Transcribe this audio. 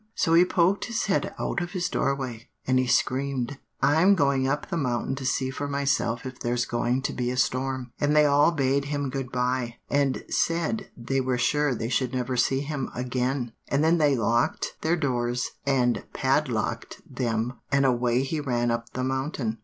So he poked his head out of his doorway, and he screamed, 'I'm going up the mountain to see for myself if there's going to be a storm.' And they all bade him good bye, and said they were sure they should never see him again; and then they locked their doors, and padlocked them, and away he ran up the mountain.